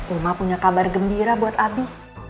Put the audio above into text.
uma punya kabar gembira buat abi